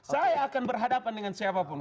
saya akan berhadapan dengan siapa pun